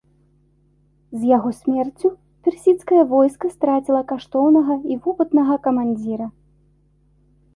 З яго смерцю персідскае войска страціла каштоўнага і вопытнага камандзіра.